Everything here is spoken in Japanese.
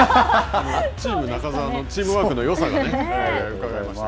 チーム中澤の、チームワークのよさがうかがえました。